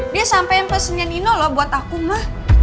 dia sampein pesennya nino loh buat aku ma